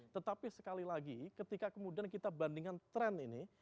tetapi sekali lagi ketika kemudian kita bandingkan tren ini